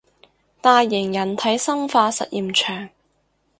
大型人體生化實驗場